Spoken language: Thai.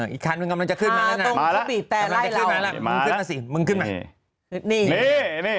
อีกคันนึงกำลังจะขึ้นมาแล้วนะมึงขึ้นมาสิมึงขึ้นมานี่